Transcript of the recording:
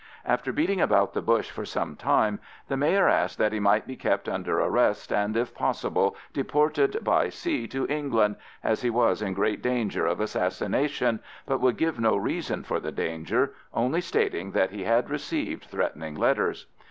After beating about the bush for some time, the Mayor asked that he might be kept under arrest and, if possible, deported by sea to England, as he was in great danger of assassination, but would give no reason for the danger, only stating that he had received threatening letters.